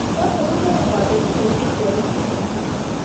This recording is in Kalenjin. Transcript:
Choto kochebo konekit kosir yaibwatyi ni